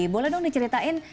boleh dong diceritain